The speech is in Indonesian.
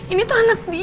ini tuh anak dia rick